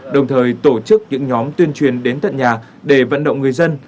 đồng thời tổ chức những nhóm tuyên truyền đến tận nhà để vận động người dân